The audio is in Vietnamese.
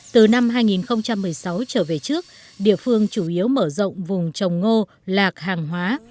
từ năm hai nghìn một mươi sáu trở về trước địa phương chủ yếu mở rộng vùng trồng ngô lạc hàng hóa